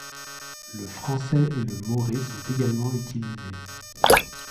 Le français et le moré sont également utilisés.